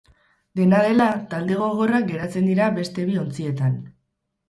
Dena dela, talde gogorrak geratzen dira beste bi ontzietan.